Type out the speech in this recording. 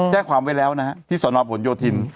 แจ้งความไว้แล้วนะฮะที่สนผลโยธิน